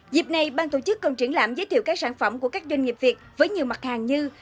dịp này ban tổ chức còn triển lãm giới thiệu các sản phẩm của các doanh nghiệp việt với nhiều mặt hàng như